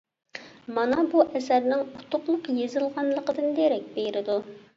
مانا بۇ ئەسەرنىڭ ئۇتۇقلۇق يېزىلغانلىقىدىن دېرەك بېرىدۇ.